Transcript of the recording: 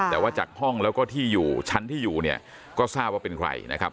แต่ว่าจากห้องแล้วก็ที่อยู่ชั้นที่อยู่เนี่ยก็ทราบว่าเป็นใครนะครับ